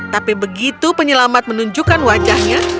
tapi begitu penyelamat menunjukkan wajahnya